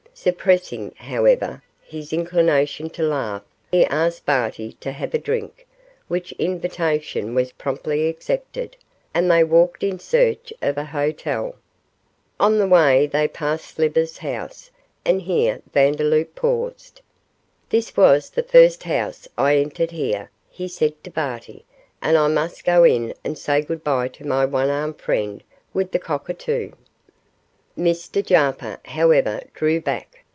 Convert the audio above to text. Suppressing, however, his inclination to laugh, he asked Barty to have a drink, which invitation was promptly accepted, and they walked in search of a hotel. On the way, they passed Slivers' house, and here Vandeloup paused. 'This was the first house I entered here,' he said to Barty, 'and I must go in and say good bye to my one armed friend with the cockatoo.' Mr Jarper, however, drew back.